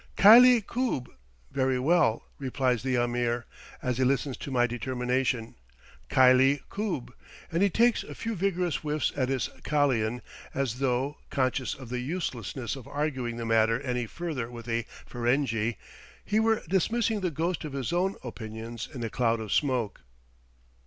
"Khylie koob" (very well), replies the Ameer, as he listens to my determination; "khylie koob;" and he takes a few vigorous whiffs at his kalian as though, conscious of the uselessness of arguing the matter any further with a Ferenghi, he were dismissing the ghost of his own opinions in a cloud of smoke.